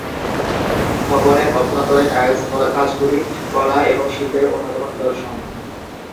ভবনের অভ্যন্তরে টাইলস-কাজগুলি কলা এবং শিল্পের অন্যতম নিদর্শন।